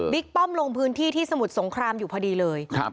บิ๊กป้อมลงพื้นที่ที่สมุดสงครามอยู่พอดีเลยครับ